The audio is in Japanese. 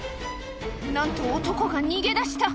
なんと、男が逃げ出した。